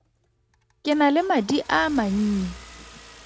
Ke na le madi a mannye.